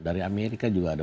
dari amerika juga ada